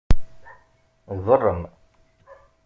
Beṛṛem.